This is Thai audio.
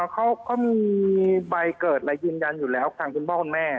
เขาก็มีใบเกิดอะไรยืนยันอยู่แล้วทางคุณพ่อคุณแม่